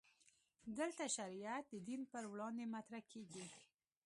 دلته شریعت د دین پر وړاندې مطرح کېږي.